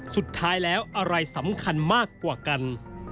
สุดท้ายแล้วอะไรสำคัญมากกว่ากัน